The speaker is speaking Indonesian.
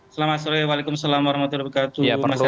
selamat sore waalaikumsalam warahmatullahi wabarakatuh